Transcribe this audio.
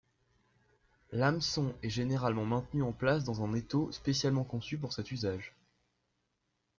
L'hameçon est généralement maintenu en place dans un étau spécialement conçu pour cet usage.